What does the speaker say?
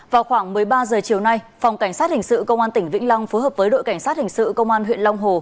vào khoảng một mươi ba h chiều nay phòng cảnh sát hình sự công an tỉnh vĩnh long phối hợp với đội cảnh sát hình sự công an huyện long hồ